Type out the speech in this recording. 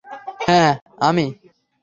হ্যা, আমি।